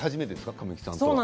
神木さんとは。